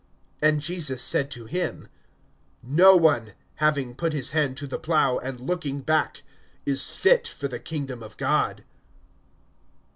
(62)And Jesus said to him: No one, having put his hand to the plow, and looking back, is fit for the kingdom of God.